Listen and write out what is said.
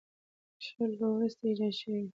شل به وروسته ایجاد شوي وي.